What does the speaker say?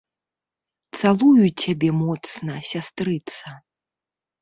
Цалую цябе моцна, сястрыца.